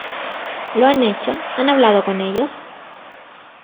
¿ lo han hecho? ¿ han hablado con ellos ?